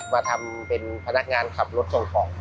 มาทำเป็นพนักงานขับรถส่งของ